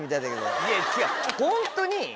いや違うホントに。